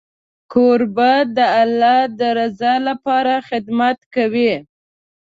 کوربه د الله د رضا لپاره خدمت کوي.